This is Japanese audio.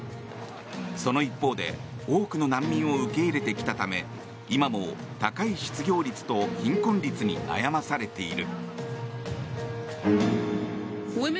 その一方で、多くの難民を受け入れてきたため今も高い失業率と貧困率に悩まされている。